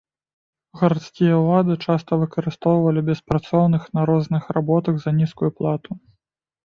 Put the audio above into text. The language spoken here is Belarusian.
Гарадскія ўлады часта выкарыстоўвалі беспрацоўных на розных работах за нізкую плату.